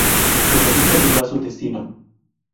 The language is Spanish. Pero nunca llegó a su destino.